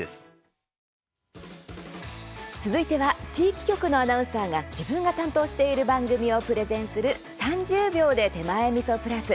続いては地域局のアナウンサーが自分が担当している番組をプレゼンする「３０秒で手前みそプラス」。